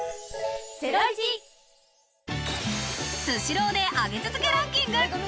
スシローで上げ続けランキング。